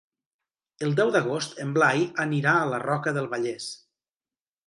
El deu d'agost en Blai anirà a la Roca del Vallès.